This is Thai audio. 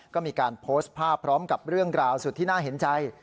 ก็มีการโพสต์ภาพพร้อมกับเรื่องราวสุดที่น่าเห็นใจ